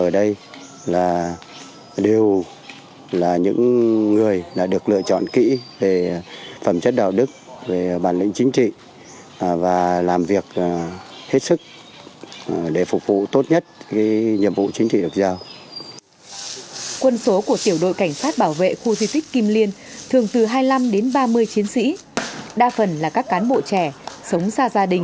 đa phần là các cán bộ trẻ sống xa gia đình nhưng mọi sinh hoạt cuộc sống hàng ngày vẫn được duy trì một cách nền nếp